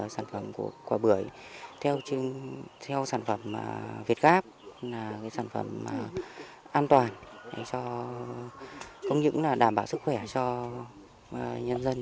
sản phẩm của bưởi theo sản phẩm việt gáp sản phẩm an toàn cũng như là đảm bảo sức khỏe cho nhân dân